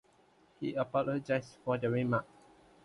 He apologised for the remark.